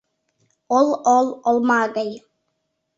Ол, ол, олма гай